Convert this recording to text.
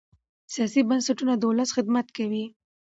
سیاسي بنسټونه د ولس خدمت کوي